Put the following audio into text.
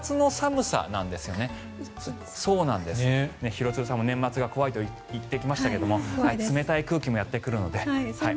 廣津留さんも年末が怖いと言ってきましたが冷たい空気もやってくるので。